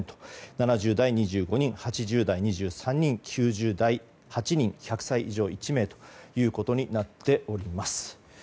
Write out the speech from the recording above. ７０代、２５人８０代が２３人９０代８人、１００歳以上１名ということになっております。